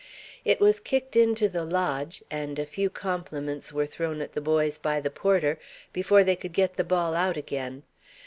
It was kicked into the lodge, and a few compliments were thrown at the boys by the porter, before they could get the ball out again.